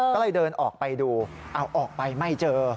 ก็เลยเดินออกไปดูเอาออกไปไม่เจอ